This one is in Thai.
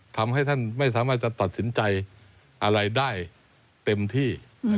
ทำให้ท่านไม่สามารถจะตัดสินใจอะไรได้เต็มที่